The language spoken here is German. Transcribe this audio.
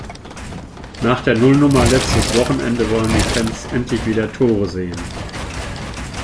Nach der Nullnummer letztes Wochenende wollen die Fans endlich wieder Tore sehen.